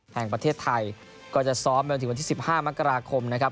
แห่งประเทศไทยก็จะซ้อมไปจนถึงวันที่๑๕มกราคมนะครับ